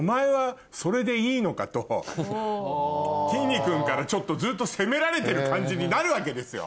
ときんに君からずっと責められてる感じになるわけですよ。